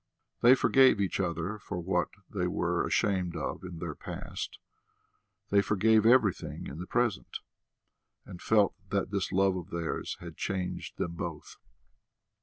They forgave each other for what they were ashamed of in their past, they forgave everything in the present, and felt that this love of theirs had changed them both.